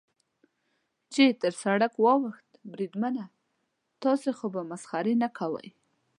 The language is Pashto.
چې تر سړک واوښت، بریدمنه، تاسې خو به مسخرې نه کوئ.